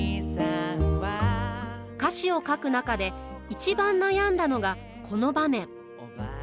歌詞を書く中で一番悩んだのがこの場面。